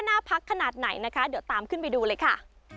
หน้าพักขนาดไหนนะคะเดี๋ยวตามขึ้นไปดูเลยค่ะ